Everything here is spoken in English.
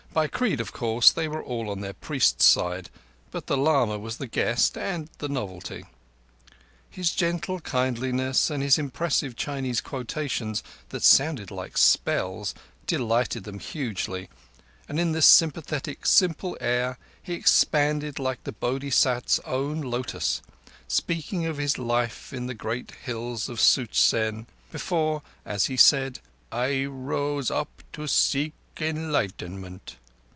By creed, of course, they were all on their priest's side, but the lama was the guest and the novelty. His gentle kindliness, and his impressive Chinese quotations, that sounded like spells, delighted them hugely; and in this sympathetic, simple air, he expanded like the Bodhisat's own lotus, speaking of his life in the great hills of Such zen, before, as he said, "I rose up to seek enlightenment."